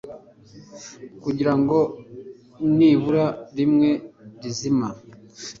kugira ngo nibura rimwe rizima